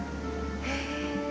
へえ。